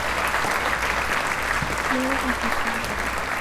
loweka kwa saa nane hadi kumi na mbili usiku kucha